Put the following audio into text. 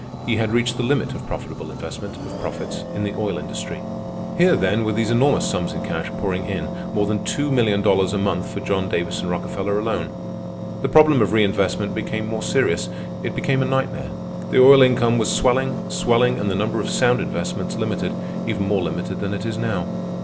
He had reached the limit of profitable investment of profits in the oil industry. Here, then, were these enormous sums in cash pouring in—more than $2,000,000 a month for John Davison Rockefeller alone. The problem of reinvestment became more serious. It became a nightmare. The oil income was swelling, swelling, and the number of sound investments limited, even more limited than it is now.